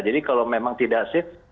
jadi kalau memang tidak safe